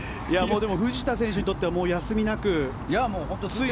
でも藤田選手にとっては休みなく。